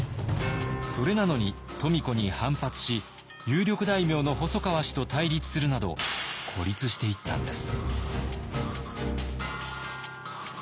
それなのに富子に反発し有力大名の細川氏と対立するなど孤立していったんです。